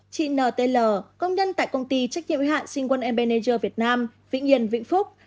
chị n t l công nhân tại công ty trách nhiệm hạn sinh quân m p n việt nam vĩnh yên vĩnh phúc